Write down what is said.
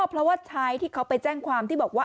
เพราะว่าชายที่เขาไปแจ้งความที่บอกว่า